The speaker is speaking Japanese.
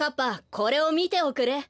これをみておくれ。